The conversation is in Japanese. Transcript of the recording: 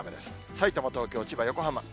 さいたま、東京、千葉、横浜。